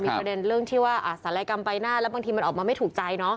ประเด็นเรื่องที่ว่าศัลยกรรมใบหน้าแล้วบางทีมันออกมาไม่ถูกใจเนาะ